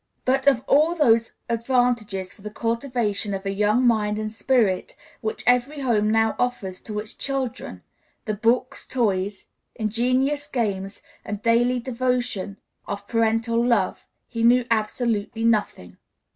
But of all those advantages for the cultivation of a young mind and spirit which every home now offers to its children, the books, toys, ingenious games, and daily devotion of parental love, he knew absolutely nothing.